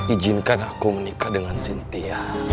ijinkan aku menikah dengan sintia